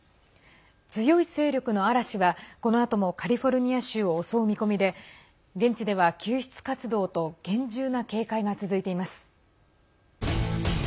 強い勢力の嵐は、このあともカリフォルニア州を襲う見込みで現地では救出活動と厳重な警戒が続いています。